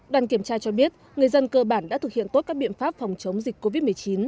đoàn kiểm tra cho biết người dân cơ bản đã thực hiện tốt các biện pháp phòng chống dịch covid một mươi chín